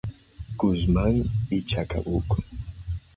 Guzmán y Chacabuco.